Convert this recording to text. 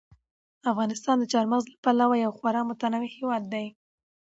افغانستان د چار مغز له پلوه یو خورا متنوع هېواد دی.